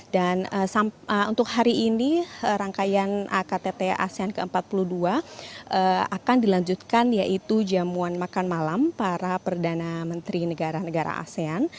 dan untuk hari ini rangkaian aktt asean ke empat puluh dua akan dilanjutkan yaitu jamuan makan malam para perdana menteri negara negara asean